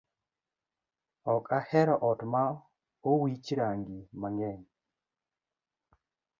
Ok ahero ot ma owich rangi mangeny